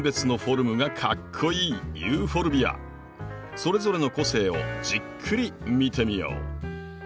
それぞれの個性をじっくり見てみよう。